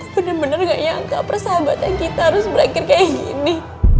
bener bener gak nyangka persahabatan kita harus berakhir kayak gini